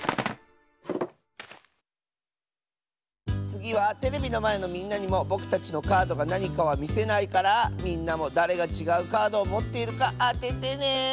つぎはテレビのまえのみんなにもぼくたちのカードがなにかはみせないからみんなもだれがちがうカードをもっているかあててね！